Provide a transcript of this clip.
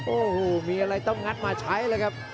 โอ้โหมีอะไรต้องงัดมาใช้เลยครับ